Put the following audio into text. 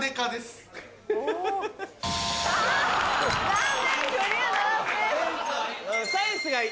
残念クリアならずです。